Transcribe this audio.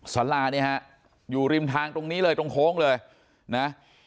สาราเนี่ยฮะอยู่ริมทางตรงนี้เลยตรงโค้งเลยนะ